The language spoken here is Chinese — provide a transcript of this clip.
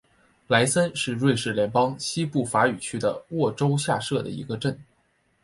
莱森是瑞士联邦西部法语区的沃州下设的一个镇。